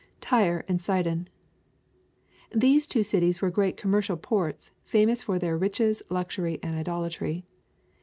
[Ik/re and Sidon.] These two cities were great commercial ports, famous for their riches, luxury, and idolatry.